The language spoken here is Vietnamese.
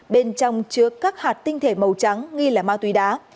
bên trong chứa các hạt tinh thể màu trắng nghi là ma túy đá